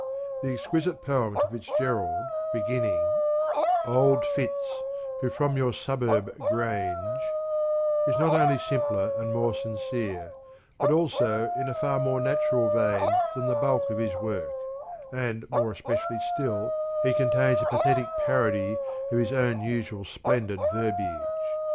The exquisite poem to Fitzgerald, beginning Old Fitz who from your suburb grange is not only simpler and more sincere, but also in a far more natural vein than the bulk of his work, and, more especially still, it contains a pathetic parody of his own usual splendid verbiage.